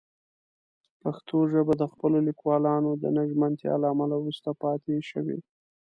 پښتو ژبه د خپلو لیکوالانو د نه ژمنتیا له امله وروسته پاتې شوې.